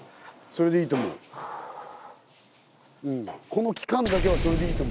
この期間だけはそれでいい。